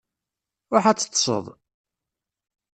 Ruḥ ad teṭṭseḍ!